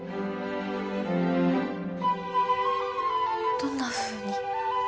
どんなふうに？